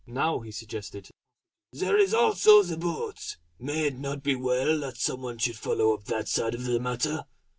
Now he suggested: "There is also the boat! May it not be well that some one should follow up that side of the matter?